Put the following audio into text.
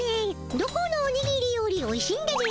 「どこのおにぎりよりおいしいんだぜ」